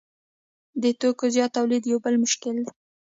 د توکو زیات تولید یو بل مشکل دی